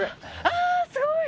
あすごい！